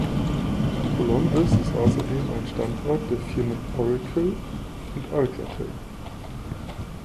Colombes ist außerdem ein Standort der Firmen Oracle und Alcatel.